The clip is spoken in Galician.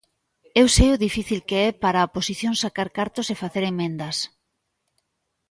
Eu sei o difícil que é para a oposición sacar cartos e facer emendas.